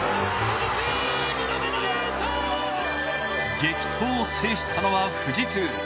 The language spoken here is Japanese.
激闘を制したのは富士通。